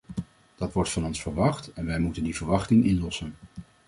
Dat wordt van ons verwacht en wij moeten die verwachting inlossen.